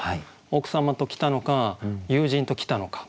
奥様と来たのか友人と来たのか。